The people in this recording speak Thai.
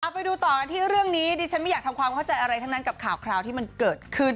ไปดูต่อกันที่เรื่องนี้ดิฉันไม่อยากทำความเข้าใจอะไรทั้งนั้นกับข่าวที่มันเกิดขึ้น